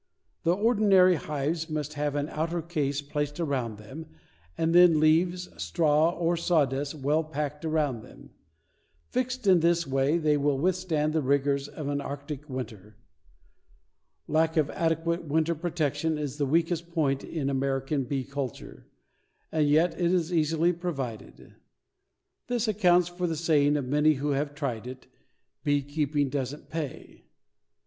The ordinary hives must have an outer case placed around them and then leaves, straw or sawdust well packed around them. Fixed in this way they will withstand the rigors of an arctic winter. Lack of adequate winter protection is the weakest point in American bee culture, and yet is easily provided. This accounts for the saying of many who have tried it, "Beekeeping doesn't pay."